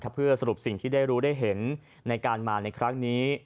เพื่อสรุปสิ่งที่ได้รู้ได้เห็นในการมาในครั้งนี้